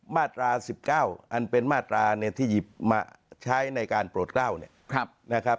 มาตรา๑๙อันเป็นมาตราที่หยิบมาใช้ในการโปรดเกล้า